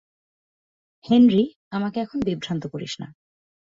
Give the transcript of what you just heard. Henry, আমাকে এখন বিভ্রান্ত করিস না।